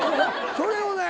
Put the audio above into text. それをね